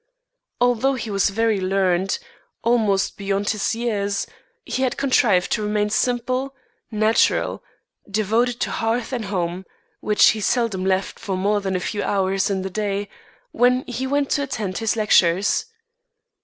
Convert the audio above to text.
Although he was very learned, almost beyond his years, he had contrived to remain simple, natural, devoted to hearth and home, which he seldom left for more than a few hours in the day, when he went to attend his lectures.